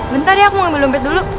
bentar ya aku mau ambil lumpet dulu